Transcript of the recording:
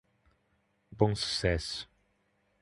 Bom Sucesso